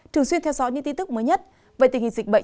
thường xuyên theo dõi những tin tức mới nhất về tình hình dịch bệnh